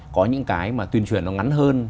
có những cái mà tuyên truyền nó ngắn hơn